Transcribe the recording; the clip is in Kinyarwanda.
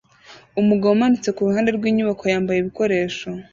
Umugabo umanitse kuruhande rwinyubako yambaye ibikoresho